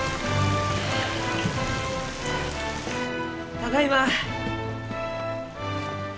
ただいま！